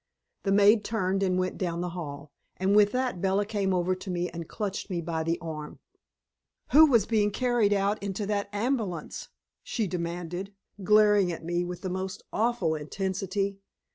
The maid turned and went down the hall, and with that Bella came over to me and clutched me by the arm. "Who was being carried out into that ambulance?" she demanded, glaring at me with the most awful intensity.